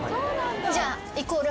じゃあイコール。